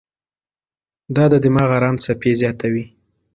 دا د دماغ ارام څپې زیاتوي.